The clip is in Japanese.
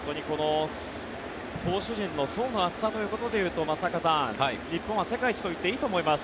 投手陣の層の厚さということで言うと松坂さん、日本は世界一と言っていいと思います。